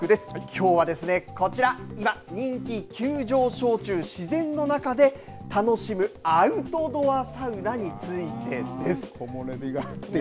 きょうはですねこちら今、人気急上昇中自然の中で楽しむアウトドアサウナについてです。